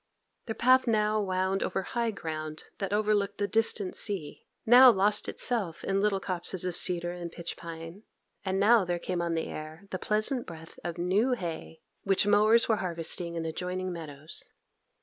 Their path now wound over high ground that overlooked the distant sea, now lost itself in little copses of cedar and pitch pine; and now there came on the air the pleasant breath of new hay, which mowers were harvesting in adjoining meadows.